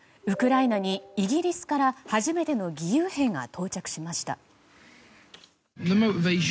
ウクライナにイギリスから初めての義勇兵が到着しました。